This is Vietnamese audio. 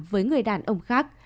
với người đàn ông khác